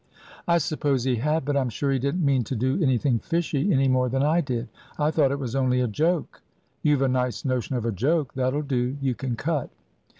"I suppose he had; but I'm sure he didn't mean to do anything fishy, any more than I did. I thought it was only a joke." "You've a nice notion of a joke. That'll do, you can cut."